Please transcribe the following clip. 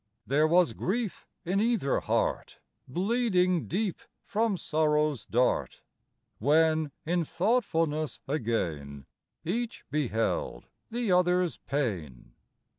There was grief in either heart, Bleeding deep from sorrow's dart, When in thoughtfulness again Each beheld the other's pain.